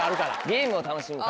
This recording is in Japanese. ゲームを楽しむ。